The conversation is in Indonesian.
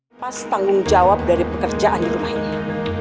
mas tanggung jawab dari pekerjaan di rumah ini